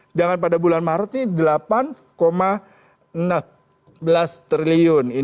sedangkan pada bulan maret ini delapan enam belas triliun